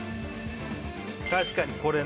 確かにこれね